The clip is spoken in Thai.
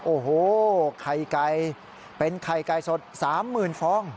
โอ้โหไข่ไก่เป็นไข่ไก่สด๓๐๐๐ฟอง